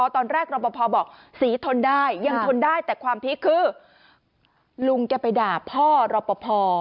ตอนแรกรอปภบอกศรีทนได้ยังทนได้แต่ความพีคคือลุงแกไปด่าพ่อรอปภ